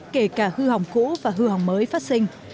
kể cả hư hỏng cũ và hư hỏng mới phát sinh